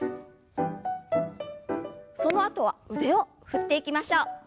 そのあとは腕を振っていきましょう。